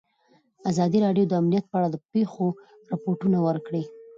ازادي راډیو د امنیت په اړه د پېښو رپوټونه ورکړي.